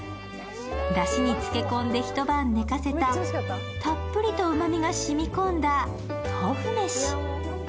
だしに漬け込んで一晩寝かせたたっぷりとうまみが染み込んだ豆富めし。